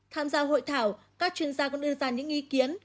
tham gia hội thảo các chuyên gia cũng đưa ra những ý kiến